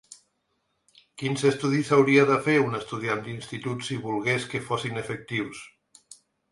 Quins estudis hauria de fer un estudiant d’institut si volgués que fossin efectius?